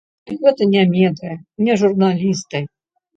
Гэта не медыя, не журналісты.